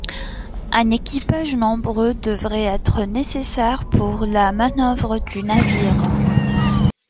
Un équipage nombreux devrait être nécessaire pour la manœuvre du navire.